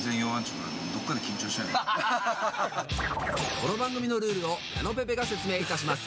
この番組のルールを矢野ぺぺが紹介します。